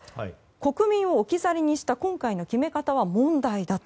国民を置き去りにした今回の決め方は問題だと。